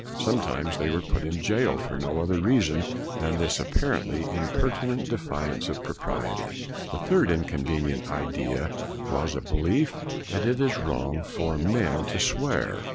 Some times they were put in jail for no other reason than this apparently impertinent defiance of propriety. The third inconvenient idea was a be lief that it is wrong for men to swear.